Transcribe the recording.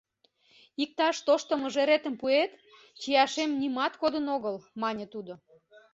— Иктаж тошто мыжеретым пуэт, чияшем нимат кодын огыл, — мане тудо.